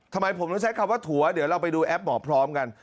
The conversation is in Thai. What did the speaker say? ทำไมผมต้องใช้คำว่าถั่วเดี๋ยวเราไปดูแอปหมอพร้อมกัน